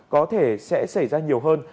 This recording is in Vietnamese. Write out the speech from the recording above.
có thể sẽ xảy ra nhiều hơn